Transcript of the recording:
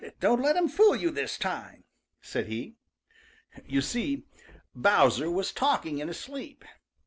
Don't let him fool you this time," said he. You see, Bowser was talking in his sleep.